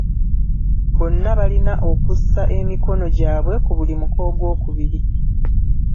Bonna balina okussa emikono gyabwe ku buli muko ogwokubiri.